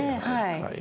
はい。